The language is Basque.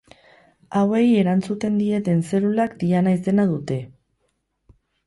Hauei erantzuten dieten zelulak diana izena dute.